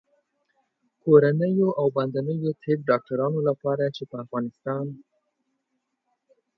کورنیو او باندنیو طب ډاکټرانو لپاره چې په افغانستان